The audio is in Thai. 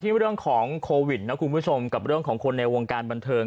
เรื่องของโควิดนะคุณผู้ชมกับเรื่องของคนในวงการบันเทิง